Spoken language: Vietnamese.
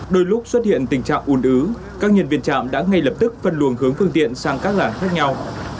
đôi lúc xuất hiện tình trạng ủn ứ các nhân viên trạm đã ngay lập tức phân luồng hướng phương tiện sang các làng khác nhau